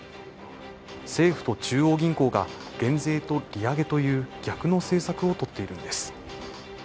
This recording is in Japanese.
政府と中央銀行が減税と利上げという、逆の政策をとっているのです。